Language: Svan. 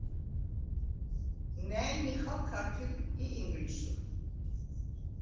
ნა̈ჲ ნიხალ ქართვილ ი ინგლისურ.